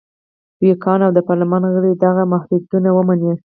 ویګیان او د پارلمان غړي دغه محدودیتونه ومني.